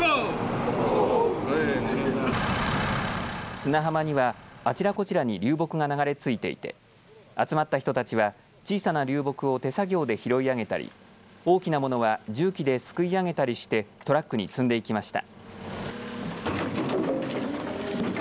砂浜にはあちらこちらに流木が流れ着いていて集まった人たちは小さな流木を手作業で拾い上げたりで大きなものは重機ですくい上げたりしてトラックに積んでいきました。